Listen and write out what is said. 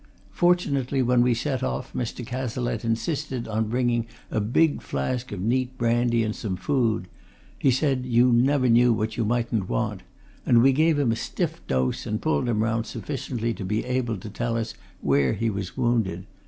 Fortunately, when we set off, Mr. Cazalette insisted on bringing a big flask of neat brandy, and some food he said you never knew what you mightn't want and we gave him a stiff dose, and pulled him round sufficiently to be able to tell us where he was wounded.